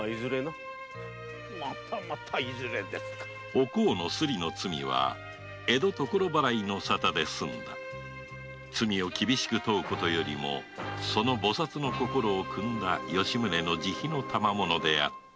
お甲のスリの罪は「江戸所払い」の沙汰で済んだ罪を厳しく問うことよりもその菩薩の心を汲んだ吉宗の慈悲の賜であった